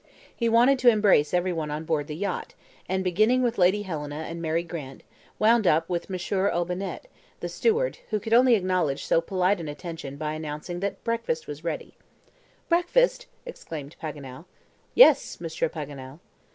He wanted to embrace everyone on board the yacht, and beginning with Lady Helena and Mary Grant, wound up with M. Olbinett, the steward, who could only acknowledge so polite an attention by announcing that breakfast was ready. "Breakfast!" exclaimed Paganel. "Yes, Monsieur Paganel."